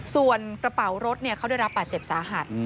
ส่วนกระเป๋ารถเขาได้รับบาดเจ็บสาหัส